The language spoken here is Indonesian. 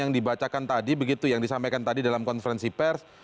yang dibacakan tadi begitu yang disampaikan tadi dalam konferensi pers